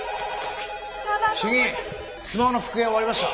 主任スマホの復元終わりました。